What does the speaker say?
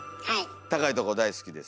高いとこ大好きです。